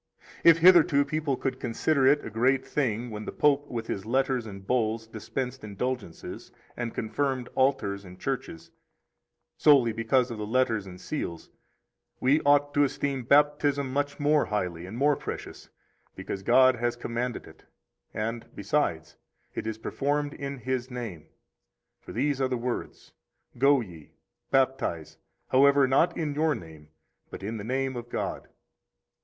9 If hitherto people could consider it a great thing when the Pope with his letters and bulls dispensed indulgences and confirmed altars and churches, solely because of the letters and seals, we ought to esteem Baptism much more highly and more precious, because God has commanded it, and, besides, it is performed in His name. For these are the words, Go ye, baptize; however, not in your name, but in the name of God.